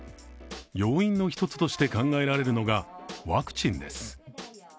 要因の１つとして考えられるのがワクチンです。